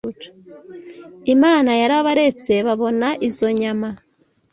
Imana yarabaretse babona izo nyama,